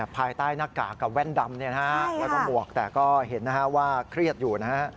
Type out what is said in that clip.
ภายใต้หน้ากากกับแว่นดำแล้วก็หมวกแต่ก็เห็นนะฮะว่าเครียดอยู่นะฮะ